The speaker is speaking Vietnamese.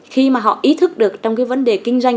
khi họ ý thức được trong vấn đề kinh doanh